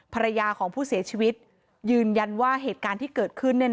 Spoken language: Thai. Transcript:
ภรรยาของผู้เสียชีวิตยืนยันว่าเหตุการณ์ที่เกิดขึ้น